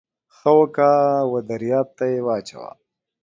ښه وکه و درياب ته يې واچوه.